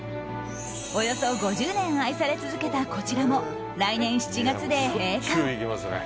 およそ５０年愛され続けたこちらも来月７月で閉館。